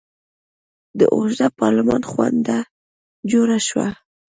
د اوږده پارلمان غونډه جوړه شوه.